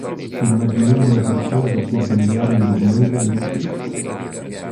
Immaginiamo una persona che debba inviare un documento ad un ufficio.